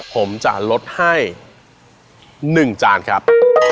ผมจะลดให้๑จานครับ